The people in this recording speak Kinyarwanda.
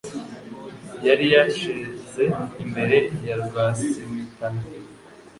Yari yasheze imbere ya Rwasimitana